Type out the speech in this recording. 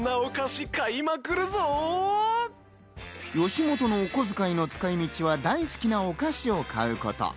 吉本のおこづかいの使い道は大好きなお菓子を買うこと。